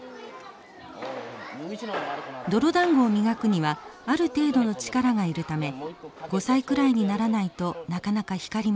泥だんごを磨くにはある程度の力がいるため５歳くらいにならないとなかなか光りません。